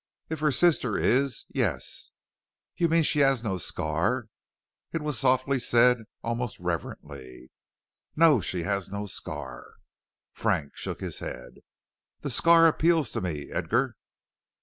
"If her sister is, yes." "You mean she has no scar." It was softly said, almost reverently. "No, she has no scar." Frank shook his head. "The scar appeals to me, Edgar."